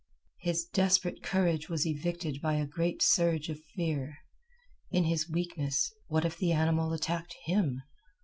His desperate courage was evicted by a great surge of fear. In his weakness, what if the animal attacked him?